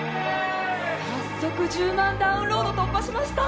早速１０万ダウンロード突破しました